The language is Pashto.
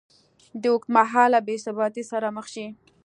ه اوږدمهاله بېثباتۍ سره مخ شي